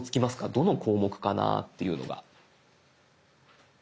どの項目かなっていうのが。